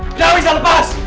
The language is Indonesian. kenapa bisa lepas